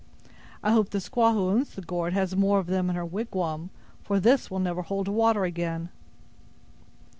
I hope the squaw who owns the gourd has more of them in her wigwam, for this will never hold water again!"